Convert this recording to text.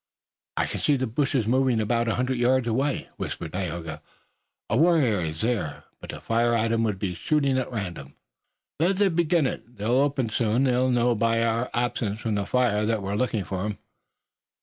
"I can see the bushes moving about a hundred yards away," whispered Tayoga. "A warrior is there, but to fire at him would be shooting at random." "Let them begin it. They'll open soon. They'll know by our absence from the fire that we're looking for 'em."